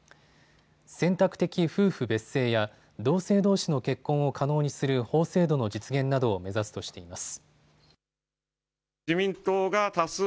選択的夫婦別姓や同性どうしの結婚を可能にする法制度の実現などを目指すとしています。